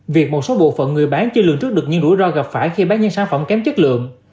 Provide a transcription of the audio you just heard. việc một số bộ phận người bán chưa lường trước được những rủi ro gặp phải khi bán những sản phẩm kém chất lượng